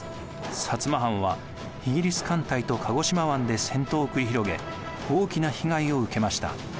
摩藩はイギリス艦隊と鹿児島湾で戦闘を繰り広げ大きな被害を受けました。